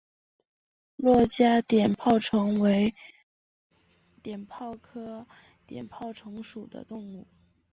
珞珈碘泡虫为碘泡科碘泡虫属的动物。